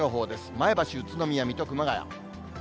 前橋、宇都宮、水戸、熊谷。